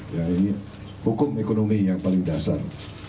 ya ini hukum ekonomi yang paling dasar